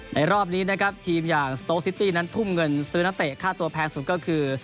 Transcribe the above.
รอบนี้นะครับทีมอย่างสโต๊ซิตี้นั้นทุ่มเงินซื้อนักเตะค่าตัวแพงสุดก็คือ